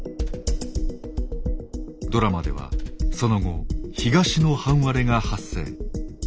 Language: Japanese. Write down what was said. ドラマではその後東の半割れが発生。